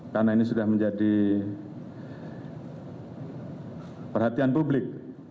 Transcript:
karena ini sudah menjadi perhatian publik